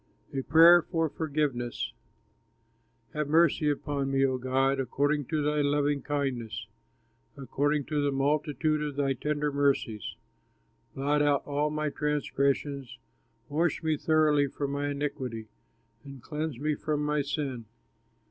A PRAYER FOR FORGIVENESS Have mercy upon me, O God, According to thy loving kindness, According to the multitude of thy tender mercies, Blot out all my transgressions, Wash me thoroughly from mine iniquity, And cleanse me from my sin.